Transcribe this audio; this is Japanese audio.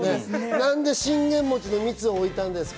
なんで信玄餅の蜜を置いたんですか？